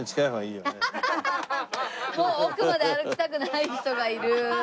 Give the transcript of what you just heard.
もう奥まで歩きたくない人がいる。